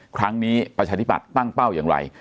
ครั้งนี้ประชาธิปัตย์ตั้งเป้าอย่างไร